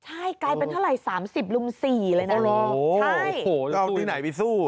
ใช่ไกลเป็นเท่าไหร่สามสิบรุ่มสี่เลยนะโอ้โหใช่โอ้โหเอาที่ไหนไปสู้